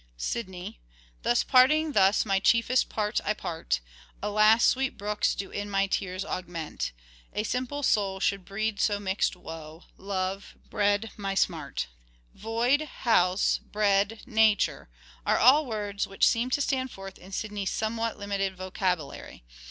Sidney :" Thus parting thus my chiefest part I part." " Alas, sweet brooks do in my tears augment." " A simple soul should breed so mixed woe." " Love ... bred my smart." " Void," " House," " Bred," " Nature," are all words which seem to stand forth in Sidney's somewhat limited vocabulary.